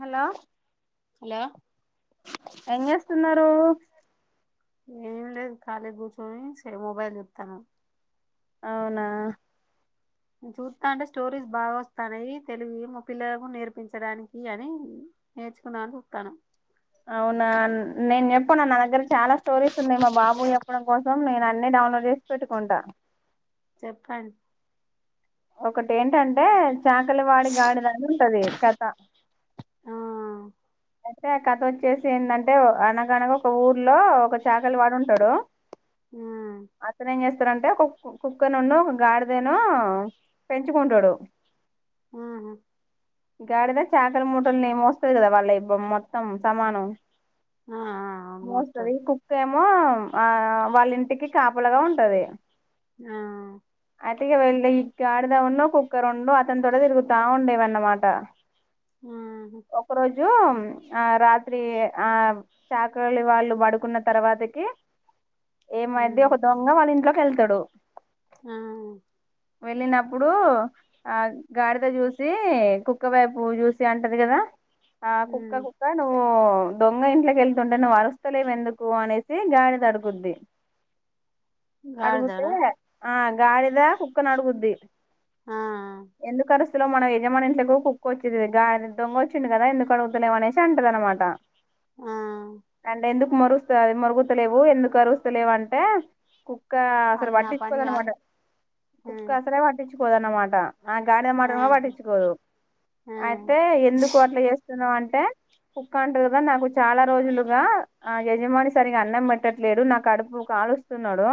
Hello hello ఎం చేస్తున్నారు? ఏం లేదు ఖాళీ కూర్చొని సె మొబైల్ చూతన్నాం. అవునా? చూత్తాంటే స్టోరీస్ బాగవస్తనాయి తెలుగువి మా పిల్లలకు నేర్పించడానికి అనీ నేర్చకుందాం చూత్తాన. అవునా నేన్జెప్పన నా దగ్గర చాలా స్టోరీస్ ఉన్నాయి. మా బాబుకు జెప్పడం కోసం నేను అన్ని డౌన్లోడ్ చేస్పెట్టుకుంటా. చెప్పండ్ ఒకటి ఏంటంటే చాకలి వాడి గాడిదని ఉంటది కథ ఆ అయితే ఆ కథ వచ్చేసి ఏందంటే అనగనగ ఒక ఊర్లో ఒక చాకలి వాడుంటడు. మ్మ్ అతనేం జేస్ స్తడు ఒక కుక్కునును గాడిదను పెంచుకుంటడు ఊహు గాడిద చాకలి మూటల్ని మోస్తది కదా వాళ్ళవి బొ మొత్తం సామానం ఆ మోస్తరు మోస్తది కుక్కేమొ మో ఆ వాళ్ళింటికి కాపలగా ఉంటది. ఆ అతిగా వెళ్ళి గాడిదను కుక్క రెండూ అతని తొటె తిరుగుతా ఉండేవన్నమాట. ఊహు రూమ్ ఆ రాత్రి ఆ చాకలి వాల్లు పడుకున్న తర్వాతకి ఏమైద్ది మ్మ్ ఒక దొంగ వాళ్ళ ఇంట్లోకెల్తడు. ఆ వెళ్ళినప్పుడు ఆ గాడిద జూసి కుక్క వైపు జూసి అంటది గదా ఆ కుక్క మ్మ్ కుక్క నువ్వు దొంగ ఇంట్లోకెళ్తుంటే నువ్వరుస్తలేవెందుకు అనేసి గాడిదడుగుద్ది. అడుగుతే గాడిదనా ఆ గాడిదా కుక్కనడుగుద్ది. ఆ ఎందుకరు లో మన యజమాని ఇంట్లోకి కుక్కొచ్చేది గా దొంగ వచ్చింది కదా ఎందుకు అడుగుతలే అనేసి అంటదనమాట ఆ అంటే ఎందుకు మొరుస్త మొరుగుతలేవు ఎందుకు అరుస్తలేవంటే కుక్క అసలు అది నా పని కాదు పట్టిచ్చుకోదనమాట కుక్క మ్మ్ అసలే పట్టిచ్చుకోదన్నమాట. ఆ గాడిద మాట ఆ కూడ పట్టించుకోదు ఆ అయితే ఎందుకు అట్లా చేస్తున్నావంటే కుక్క అంటది గ నాకు చాలా రోజులుగా ఆ యజమాని సరిగా అన్నం పెట్టట్లేదు నా కడుపు కా కాలుస్తున్నాడు.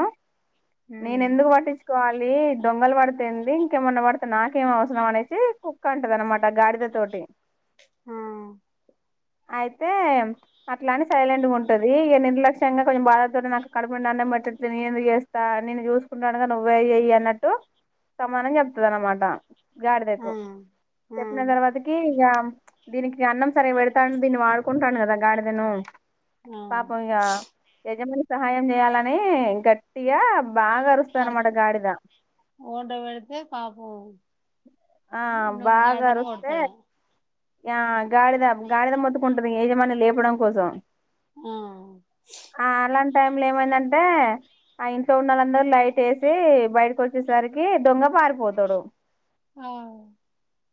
మ్మ్ నేనెందుకు పట్టిచ్ కోవాలి దొంగలు పడితె ఎంది ఇంకేమన్నా పడితె నాకేం అవసరం అనేసి కుక్కంటది అనమాట గాడిద తోటి ఆ అయితే అట్లాని సైలెంట్గుంటది ఇగ నిర్లక్ష్యంగా కొంచెం బాధతో నాకు కడుపు నాన్న మట్ట నేను ఎందుకు జేస్తా నేను చూసుకుంటానుగా నువ్వే ఎయి ఎయి అన్నట్టు సమానం చెప్తదనమాట ఆ గాడిదకు చెప్పిన ఆ తర్వాతకి యామ్ దీనికి అన్నం సరే బెడతాన్ దీన్ని వాడుకుంటాను గదా గాడిదేనూ పాపం ఇగ యజమాని సహాయం జెయాలనీ గట్టిగా బాగా అరుస్తది అర అన్నమాట గాడిద ఓండ్ర పెడితే పాపం ఆ నువ్వు గాడిదని బాగరుస్తే కొడతాడు ఆ గాడిద గాడిద మొత్తుకుంటది. యజమాన్ని లేపడం కోసం. ఆ ఆ అలాంటైం లో ఏమైందంటే ఆ ఇంట్లో ఉన్నళ్ళందర్లైటేసి బయటకి వచ్చేసరికి దొంగ పారిపోతాడు. ఆ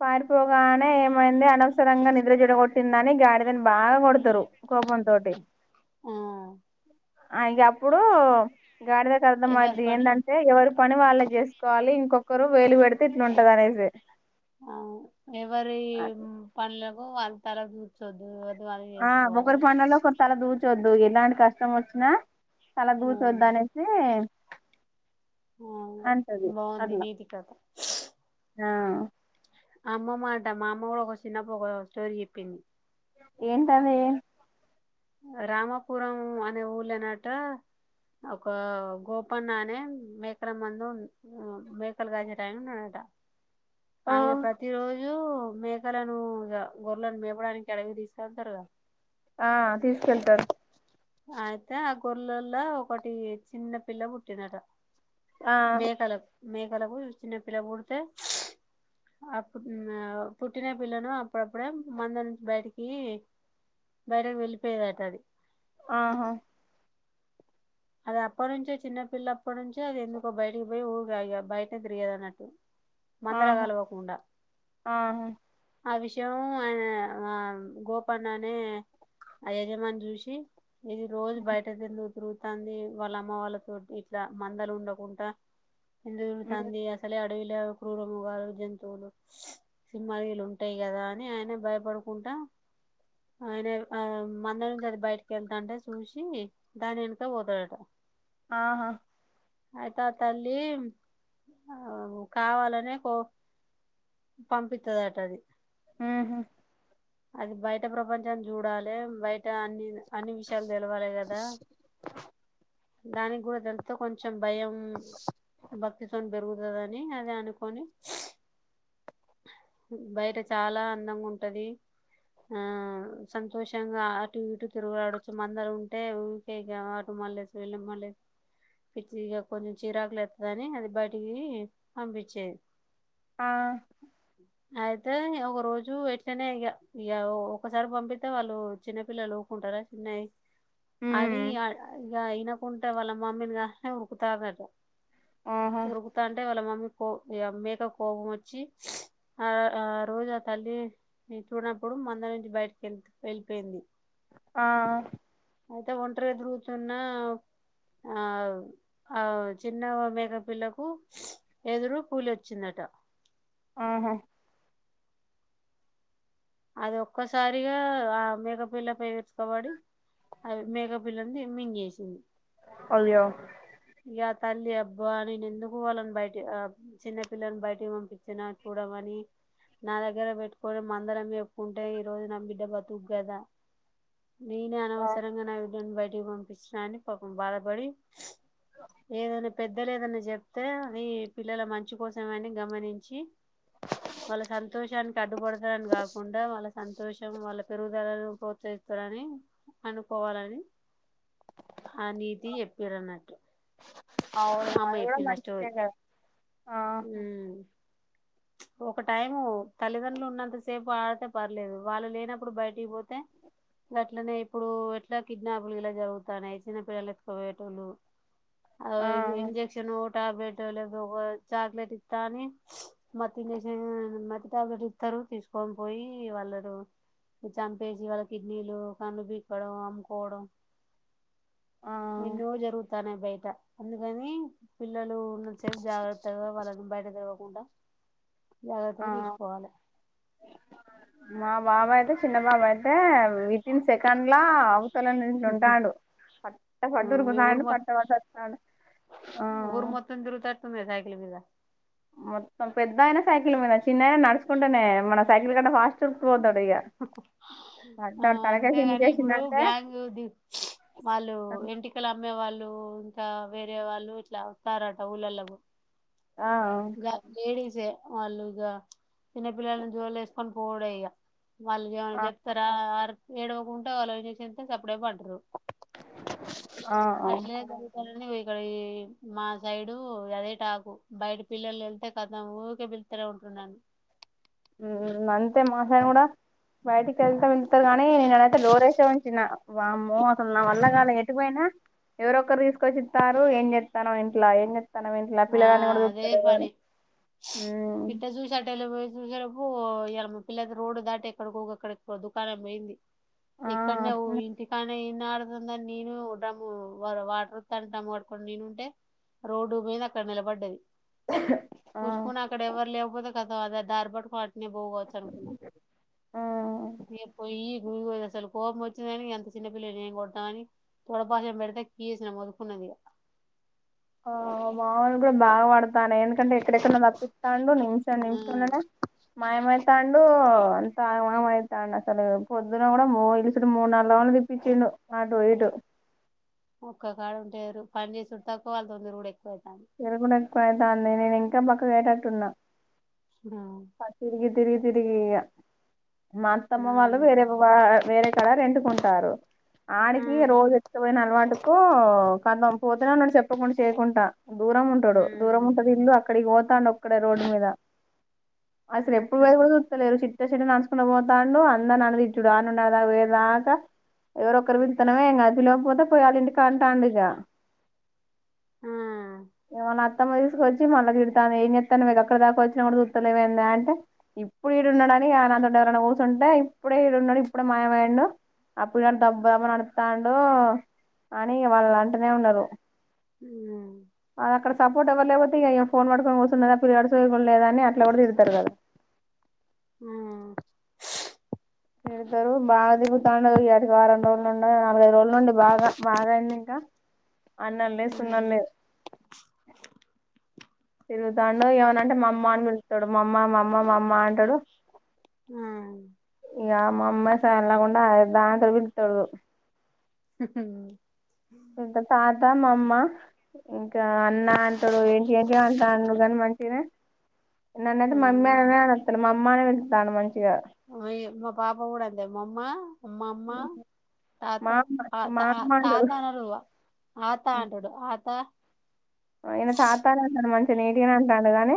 పారిపోగానే ఏమైంది అనవసరంగా నిద్ర చెడగొట్టిందని, గాడిదని బాగొడతరు. ఆ అ ఇంగప్పుడు గాడిదకర్ధం ఎవరి అయ్యిద్ది పని ఏందంటే ఎవరి పని వాళ్ళ జేస్కోవాలి. ఇంకొక్కరు వేలు పెడితే ఇట్లుంటది అనేసి. ఆ ఎవరి పన్లకు వాళ్ళ తల దూర్చొద్దు. ఆ ఒకరి పండలో ఒకరు తల దూర్చొద్దు ఎలాంటి కష్టం వచ్చినా తల దూర్చద్దు అనేసి ఆ అంటది బాగుంది అట్లా నీతి కథ ఆ అమ్మ మాట మా అమ్మ కూడా ఒక చిన్నప్పు ఒక స్టోరీ చెప్పింది. ఏంటదీ రామాపురం అనే ఊ లేనటా ఒక గోపన్నా అనే మేకల మందు మేకలుగాజే టట్టున్నాడట ఆ ఆయన ప్రతి రోజు జూ మేకలను గొర్రలను మేపడానికి అడవికి తీసుకెళ్తారుగా ఆ తీసుకెళ్తారు అయితే ఆ గొర్లల్లో ఒకటి చిన్న పిల్ల పుట్టినడట ఆ మేకలకు మేకలకు చిన్నపిల్ల పుడితే అప్పుడు ఆ పుట్టిన పిల్లను అప్పుడప్పుడే మంద నుంచి బయటికి బయటకు వెళ్ళిపోయేద అట అది ఆహా అది అప్పటి నుంచే చిన్నపిల్ల అప్ప నుంచే అది ఎందుకో బయటికి పోయి ఊగా బయట తిరిగదు అన్నట్టు మందల ఆహా కలవకుండా ఆహా ఆ విషయం అ గోపన్న అనే అ యజమాని చూసి ఇది రోజు బయట తిరుగుతురు తంది వాళ్ళ అమ్మ వాళ్ళతో ఇట్లా మందల ఉండకుండా ఎందుకు మ్మ్ తిరుగుతంది అసలే అడవిలో క్రూరముగాలు జంతువులు సింహారీలు ఉంటాయి కదా అని ఆయన భయపడుకుంటా ఆయన ఆ మంద నుంచి అది బయటకి వెళ్తాంటే చూసి నిను ఎ పోతాడట ఆహా అయిత తల్లి ఆ కావాలనే కో పంపిత్తదట అది ఉహుమ్ అది బయట ప్రపంచం చూడాలె బయట అన్ని అన్ని విషయాలు తెలివాలి కదా దానికి కూడా దంతో కొంచెం భయం భక్తితోం పెరుగుతు కదని అదే అనుకొని బయట చాలా అందంగా ఉంటది. ఆ సంతోషంగా అటు ఇటు తిరుగులాడొచ్చు మందర ఉంటే ఊకె ఇగ మల్ల సేలే మల్లె పిచ్చిది ఇగ కొంచెం చిరాకు లేత్తదని అది బయటికి పంపించేది ఆ అయితే ఒక రోజు ఎట్లనే ఇగ ఓ ఒకక్కసారి పంపితే వాళ్ళు చిన్నపిల్లలు ఊకుంటారు [inaudible] న్నాయి అది మ్మ్ ఇగ ఇనకుంటంట వాళ్ళ మమ్మీని కాదని ఉరుకుతా అందట ఆహా ఉరుకుతా అంటే వాళ్ళ మమ్మీ కో ఇగ మేకకు కోపం వచ్చి ఆ ఆ రోజు ఆ తల్లి చూడనప్పుడు మంద నుంచి బయటికి వెళి వెళ్ళిపోయింది ఆ అయితే ఒంటరి తిరుగుతున్న ఆగు ఆ చిన్న మేక పిల్లకు ఎదురు పూలి వచ్చిందట [inaudible] ఆహా అది ఒక్కసారిగా ఆ మేక పిల్ల పై విరుచుక బడి అది మేక పిల్లను మింగేసింది అయో ఇగ తల్లి అబ్బా నేను ఎందుకు వాళ్ళని బయటి చిన్నపిల్లలను బయటకి పంపించిన దమని నా దగ్గర పెట్టుకొని మందల మేపుకుంటే ఈ రోజు నా బిడ్డ బతుకు కదా నేనే ఆ అనవసరంగా నా బిడ్డని బయటికి పంపించిన అని పాపం బాధపడి ఏదైనా పెద్ద పెద్దలు ఏదన్నా చెప్తే అది పిల్లల మంచి కోసము అని గమనించి వాళ్ళ సంతోషానికి అడ్డుపడతారని కాకుండా వాళ్ళ సంతోషం వాళ్ళ పెరుగుదలను ప్రోత్స సారని అని అనుకోవాలని ఆ నీతి చెప్పిరు అన్నా అవునా అది కూడా ఆ మంచికే గాధ ఆ స్టోరీ ఒక టైము తల్లిదండ్రులు ఉన్నంత సేపు ఆడితే పర్లేదు వాళ్ళు లేనప్పుడు బయటికి పోతే గట్లనే ఇప్పుడు ఎట్లా కిడ్నాపులు గీలా జరుగుతాన్నాయి చిన్నపిల్లలు ఎత్తుకుయేటోళ్ళు అదో ఆ ఇయో ఇంజెక్షన్ ట్యాబ్లేట్ చాక్లెట్ ఇత్తని మత్తు ఇంజెక్షన్ మత్తు టాబ్లెట్ ఇతారు తీసుకొని పోయి వాళ్ళరు చనిపేసి వాళ్ళ కిడ్నీలు కన్నులు పీక్కోవడం అమ్ముకోవడం ఆ ఎన్నో జరుగురుతానే బయట అందుకని పిల్లలు ఉన్నత సేపు జాగ్రత్తగా వాళ్ళని బయట తిరగకుండా ఆ జాగ్రత్త చూసుకోవాలే మా బాబా అయితే చిన్న బాబా అయితే వితిన్ సెకండ్లా అవతల నుంచి ఉంటాడు పట్టా ఆ, పట్టా మీ ఉరుకుతాండు ఊరు పట్టా పట్టా వస్తాండు ఆహా వస్తుండుగా సైకిల్ మీద మొత్తం పెద్ద అయినా సైకిల్ మీద చిన్నాయన నడుచకుంటేనే మన సైకిల్ కంట ఫాస్ట్ ట్రిప్ పోతాడు ఆ తలకేసి అంతేగాని ఇప్పుడు ఎందుకేసిందంటే గ్యాంగ్ ది వాళ్ళు ఆ ఎంటికలు అమ్మే వాళ్ళు టు ఇంకా వేరే వాళ్ళు ఇట్లా వస్తారట ఊళ్ళలకు గా లేడీసే వాళ్ళు ఇగ చిన్నపిల్లని జోబులో వేసుకొని పోడ ఇగ వాళ్ళు ఏమన్నా ఆ చెప్తారా ఆర్ ఏడవకు ఉంటే వాళ్ళు ఇంజెక్షన్ ఇస్తే సాపు అప్పుడే పెట్టారు ఆ ఆ ఉమ్ అట్లనే [inaudible] ఇక్కడి ఈ మా సైడు అదే టాకు బయట పిల్లలు వెళ్తే కతం ఉకే పీకితేనే ఉంటారు నన్ను హు అంతే మా సైడ్ కూడా బయటికి వెళ్తా వెళ్తారు గాని నేనైతే డోర్ వేసే ఉంచిన వామ్మో అసలు నా వల్ల కాల ఎటు పోయినా ఎవరొ ఒకరు తీసుకొచ్చి ఇస్తారు ఏం చెస్తాను ఇంట్లో ఏం చె తనం విట్లా ఆ పిల్లగాని కూడా అదే చూతలేరు పని చూసే రప్పు ఇ పిల్లయితే రోడ్ దాటి ఎక్కడికికక్కడికి దుకాణం పొయింది ఆ ఎక్కడనే అట్లనే ఇంటికానే ఆడుతుందని నేను డమ్ వాటర్ త డమ్ ఆడుకని నేను ఉంటే రోడ్డు మీద అక్కడ నిలబడ్డది ఆ పూసుకుని అక్కడ ఎవ్వరు లేకపోతే కదా అద దారి పట్టుకో ఎన్న పోగాచ్చా అనుకున్నా ఆ ఏ పోయి ఇ అసలు కోపం వచ్చిందని అంత చిన్న పిల్లని ఏం కొడామని తొడ పెసాం పెడితే కీసిన వొదుకున్నది ఆ మామని కూడా బాగా పడతాను ఎందుకంటే ఎక్కడెక్కన్నా నాక్కు [unintelligible] నిమిషం ఆ నిమిషమున మాయమైతాండుంత మామైతాండు అసలు పొద్దున కూడా ఇలిసు మూడు నాలుగుళ్ళు తిప్పిచుండు అటు ఎటు ఒక్కో కాడ ఉంటేరు పని చేసిడు తక్కువ వాళ్ళతో తిరూడు ఎక్కువుతుంది ఆ బాను నేను ఇంకా బక్కగా అయ్యితేటుగాన్ ఆ తిరిగి తిరిగి తిరిగి ఇగ మా అత్తమ్మ వాళ్ళు మ్మ్ వేరే వా వేరే కళర్ రెంటుకుంటారు ఆ ఆడికి రోజు ఎక్కుపోయిన అలవాటు కో కంతం పోతున్నా నన్ను చెప్పకుండా చేయకుంటా దూరం ఉంటాడు దూరం మ్మ్ ఉంటది ఇల్లు అక్కడికి పోతాండు ఒక్కడే రోడ్డు మీద అసలు ఎప్పుడు ఆహా! వళ కూడా చూస్తలేరు చి చెట్ నడుచకుని పోతాడు అందాని అన్నదిచ్చుడు ఆ నుందా వేదాకా ఎవరొ ఒకరు వెళ్తనమే ఇంకాది ప లేకపోతే పోయాలంటి కాంటాండు ఇగా ఆ! ఏ మళ్ళ అత్తమ్మ తీసుకొచ్చి మళ్ళ తిడతాను ఏం చెస్తాను మీకు అక్కడ దాకా వచ్చిన [unintelligible] అంటే ఇప్పుడు ఈడున్నాడుని ఆ నాతో ఎవరై కూర్చుంటే ఇప్పుడే ఈడున్నాడు ఇప్పుడే మాయమడు అప్పుడు కా దబ్బుబ్బ నడుతాడు అని వాళ్ళు అంటూనే ఉన్నారు ఉ అది అక్కడ సపోర్ట్ ఎవ్వ లేకపో ఇకం ఫోన్ పడుకని వస్తుందిందాల్ల అడుచయ లే అని అట్లా కూడా తిగుారుదా ఆ పెడతారు బాగా దిగుతుండ ఇటికి వారం రోజులు నుండి నాలుగైదు రోజుల నుండి బాగా బాగా అయింది ఇంకా అన్నాల్ళ సున్నాల్ లేవు హ్మ్. తిరుగుతాండు ఏమనంటే మా అమ్మ అని పిలుతాడు మా అమ్మ మామ్మ మా అమ్మ అంటాడు ఆ ఇ మా అమ్మ స ఎలాకుం [unintelligible] పిలుతది హు హ్మ్ ఇంకా తాత మా అమ్మ ఇంకా అన్న అంట ఏంటి అంత అని మ న్నతే మమ్అ హ్మ్. మమ్మానే వెళుతను మంచి మా పాప కూడా అంద మామ్మా అమ్మా అమ్మా తాత మా అమ్మ ఆ త మా అమ్మ అంటాడు తాత అన్నారువవా ఆత అంటాడు ఆత ఆయన తాతా అనేది అంటాడు మంచిగా నేటినే అంటాడు కాగానీ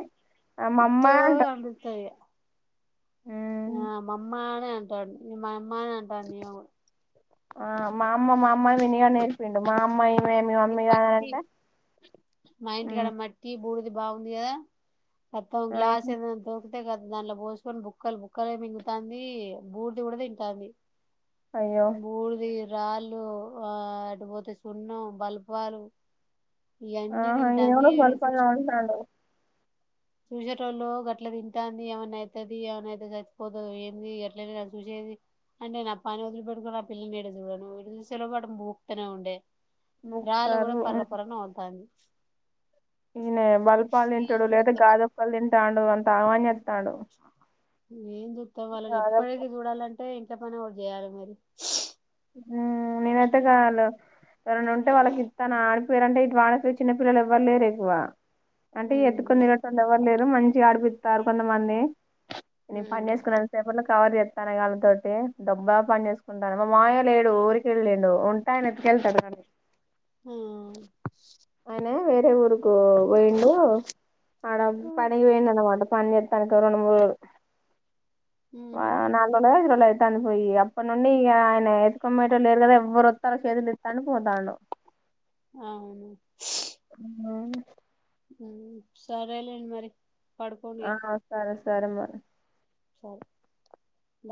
ఇటు అని పిలుతాడుఇహ ఆ మామ్మానే అంటాడు న మా అమ్మానే అంటాడు న ఆ మామ్మ మామ విని నేర్పి ఉడు మామ్మయి మేమి ఈ మమ్మీగా మట్టి అంటే బూడది బాగుంది కదా మొత్తం గ్లాస్ ఏద అంతే కదా దాంట్లో పోసుకొని బుక్కలు బుక్కలు మింగతంది బూర్ది కూడా తింటుంది అయ్యో బుడిది రాళ్ళు ఆ అటు పోతే సున్నం బల్పాలు ఇవన్నీ ఆహా ఈయన తింటాంది కూడా పొలపల్లా ఉంటాడు చూసేటోళ్ళు అట్లా తింటాంది ఎమనవుతుది ఎవనైతే సచ్చిపోతుంది ఏంది అట్ల చూసేది అంటే నిన్ పని వదిలి పెట్టుకొని ఆ పిల్లని ఎడ చూడను ఇటు చూసే లోపు భూక్తనే ఉండే రాళ్లు కూడా బుక్కరు పర్ర పర నములుతాంది ఈయనే బల్పాలు తింటడు లేదా గాజోప్పుళ్ళు తింటాండు అంత ఆగంచేత్తండు ఏం చెప్తావ్ వాళ్ళని ఎప్పటికి చూడాలంటే ఇంట్ల పని ఎవరు చేయాలి మరి ఉమ్ నేనైతే కావాల ఎవరని ఉంటే వాళ్ళకి ఇస్తాను ఆడిపోయారుంటే ఇటు వాళ్ళకి చిన్న పిల్లలు ఎవ్వరు లేరు ఎక్కువ అంటే ఎత్తుకొని ఉమ్, తిరిగేటోళ్లు ఎవరు లేరు మంచిగా ఆడిపిస్తారు కొంతమంది నేను పని ఉమ్, చేేసుకున్నాంత సేపర్లో కవర్ చెస్తాను కాళ్ళతోటి దడబ్బగా పని చేేసుకుంటాను మాయణ లేడు ఊరిక వెళ్ళండు ఉంటాయని ఎట్కెళ్తాడు కానీ హ ఆయన వేరే ఊరుకు పోయిండు ఆడ ఉమ్, పనికి పోయింది అనమాట పన్ చేస్తాంది క రెండు మూడు ఉహు, నాలుగు రోజులో ఐదు రోజులో అయితాంది పోయి అప్పుడు నుండి ఇగ ఎదుకమ్మటో లేరు కదా ఎవ్వరు వస్తారో చేతులు ఇస్తాండు పోతాండు అవును ఉమ్ హు సరేలేండి మరి పడుకోండి ఆ ఇగ సరే సరే మరి సరే బాయ్